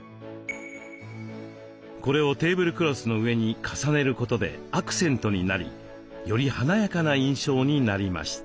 これをテーブルクロスの上に重ねることでアクセントになりより華やかな印象になりました。